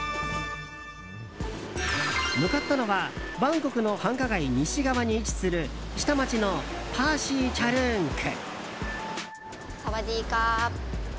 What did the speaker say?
向かったのはバンコクの繁華街西側に位置する下町のパーシーチャルーン区。